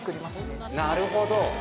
なるほど。